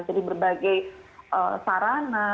jadi berbagai sarana